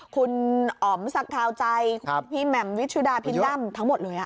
คุณอ๋อมสกาวใจพี่แหม่มวิชุดาพินด้ำทั้งหมดเลย